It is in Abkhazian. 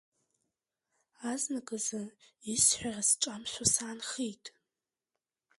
Азныказы исҳәара сҿамшәо саанхеит.